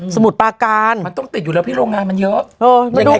มุดปาการมันต้องติดอยู่แล้วพี่โรงงานมันเยอะ